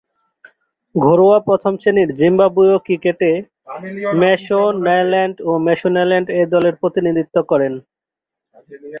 ঘরোয়া প্রথম-শ্রেণীর জিম্বাবুয়ীয় ক্রিকেটে ম্যাশোনাল্যান্ড ও ম্যাশোনাল্যান্ড এ-দলের প্রতিনিধিত্ব করেন।